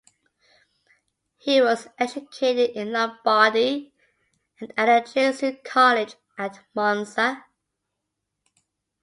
He was educated in Lombardy and at the Jesuit college at Monza.